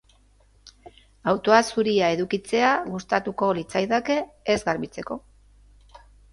Autoa zuria edukitzea gustatuko litzaidake ez garbitzeko